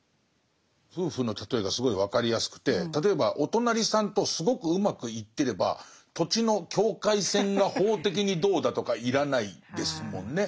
夫婦の例えがすごい分かりやすくて例えばお隣さんとすごくうまくいってれば土地の境界線が法的にどうだとか要らないですもんね。